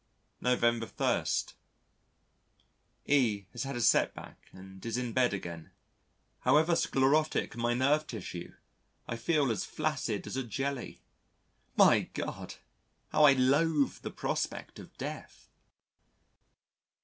November 1. E has had a set back and is in bed again. However sclerotic my nerve tissue, I feel as flaccid as a jelly. My God! how I loathe the prospect of death.